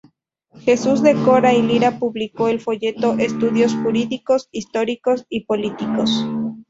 Jesús de Cora y Lira publicó el folleto "Estudios jurídicos, históricos y políticos.